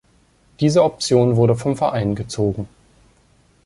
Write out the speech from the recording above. Diese Option wurde vom Verein gezogen.